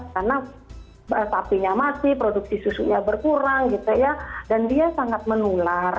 karena sapinya mati produksi susunya berkurang dan dia sangat menular